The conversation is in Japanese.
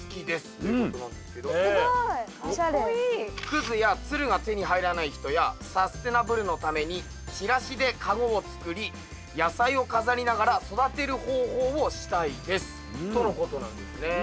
「葛やつるが手に入らない人やサステナブルのためにチラシで籠を作り野菜を飾りながら育てる方法をしたいです」とのことなんですね。